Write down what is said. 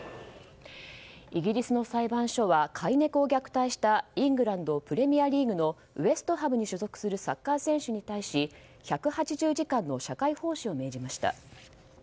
イギリスの裁判所は飼い猫を虐待したイングランド・プレミアリーグのウェストハムに所属するサッカー選手に対し１８０時間の社会奉仕を命じました。